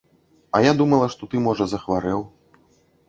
А я думала, што ты, можа, захварэў.